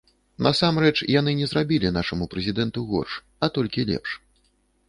Насамрэч, яны не зрабілі нашаму прэзідэнту горш, а толькі лепш.